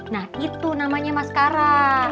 nah itu namanya mascara